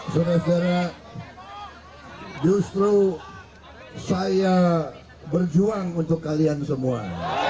sebenarnya justru saya berjuang untuk kalian semua